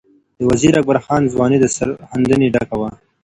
د وزیر اکبر خان ځواني د سرښندنې ډکه وه.